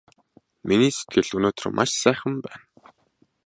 Миний сэтгэл өнөөдөр маш сайхан байна!